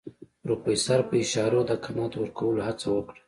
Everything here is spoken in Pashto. پروفيسر په اشارو د قناعت ورکولو هڅه وکړه.